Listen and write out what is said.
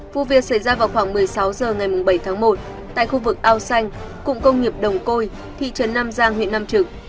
vụ việc xảy ra vào khoảng một mươi sáu h ngày bảy tháng một tại khu vực ao xanh cụng công nghiệp đồng côi thị trấn nam giang huyện nam trực